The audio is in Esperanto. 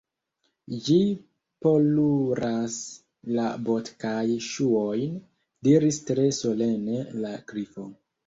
"Ĝi poluras la bot-kaj ŝuojn," diris tre solene la Grifo.